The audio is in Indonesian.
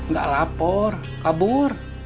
gak lapor kabur